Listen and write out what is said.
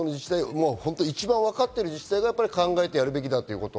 一番分かってる自治体が考えてやるべきだということ。